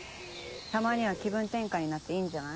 たまには気分転換になっていいんじゃない。